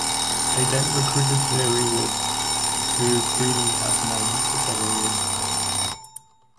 They then recruited Hilary Woods, who Greaney had known for several years.